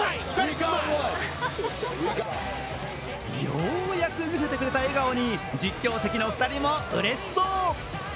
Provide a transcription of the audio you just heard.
ようやく見せてくれた笑顔に実況席の２人もうれしそう。